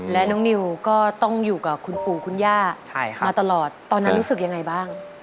และน้องนิวก็ต้องอยู่กับคุณปู่คุณย่ามาตลอดตอนนั้นรู้สึกยังไงบ้าง